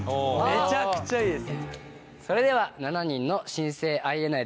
めちゃくちゃいいです！